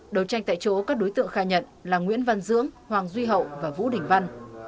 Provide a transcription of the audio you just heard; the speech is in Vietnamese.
đầu tranh tại chỗ các đối tượng khai nhận là nguyễn văn dưỡng hoàng duy hậu và vũ đỉnh văn